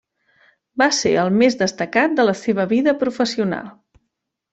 Va ser el més destacat de la seva vida professional.